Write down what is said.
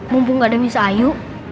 mumpung gak ada miss ayu